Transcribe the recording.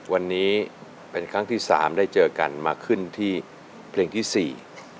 วันนี้เป็นครั้งที่สามได้เจอกันมาขึ้นที่เพลงที่สี่